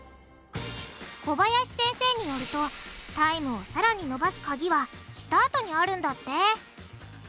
小林先生によるとタイムをさらにのばすカギはスタートにあるんだって！